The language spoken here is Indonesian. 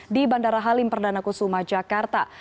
di bandara halim perdana kusuma jakarta